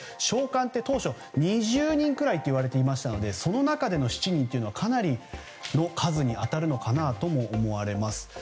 将官は当初２０人ぐらいといわれていましたのでその中での７人というのはかなりの数に当たるのかなとも思われます。